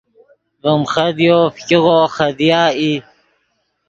ڤیم خدیو فګیغو خدیا ای